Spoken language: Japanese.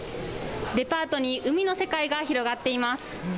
デパートに海の世界が広がっています。